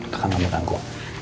kakak nggak mau ganggu